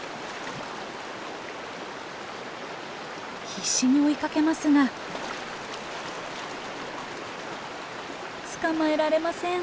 必死に追いかけますが捕まえられません。